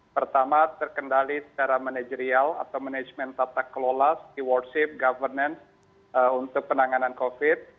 pertama terkendali secara manajerial atau manajemen tata kelola stewardship governance untuk penanganan covid